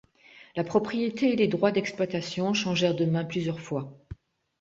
La propriété et les droits d'exploitation changèrent de mains plusieurs fois.